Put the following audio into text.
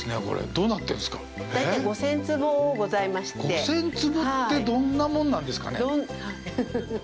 ５０００坪って、どんなもんなんですかね。